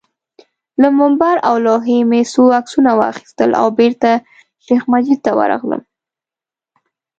له منبر او لوحې مې څو عکسونه واخیستل او بېرته شیخ مجید ته ورغلم.